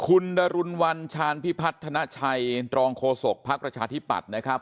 คุณดรวัญชาญพิพัฒนาชัยดรโคศกพประชาธิปัตย์นะครับ